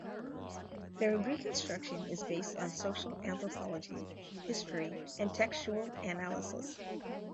Their reconstruction is based on social anthropology, history and textual analysis.